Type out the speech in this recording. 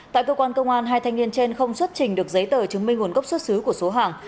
tại cơ quan công an hai thanh niên trên không xuất trình được giấy tờ chứng minh nguồn gốc xuất xứ của số hàng